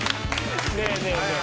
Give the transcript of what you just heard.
ねえねえねえ。